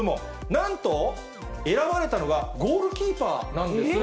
なんと、選ばれたのはゴールキーパーなんです。